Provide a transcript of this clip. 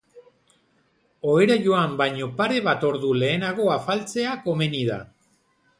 Ohera joan baino pare bat ordu lehenago afaltzea komeni da.